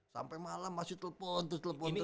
sampai malam masih telepon terus telepon itu